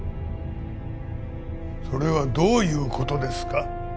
それはどういう事ですか？